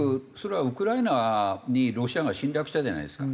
ウクライナにロシアが侵略したじゃないですか。